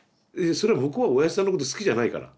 それ向こうはおやぢさんのこと好きじゃないから。